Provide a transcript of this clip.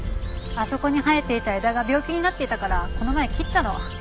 あそこに生えていた枝が病気になっていたからこの前切ったの。